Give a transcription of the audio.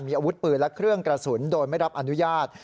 มีอาวุธปืนและเครื่องกระสุนโดยไม่รับอนุญาต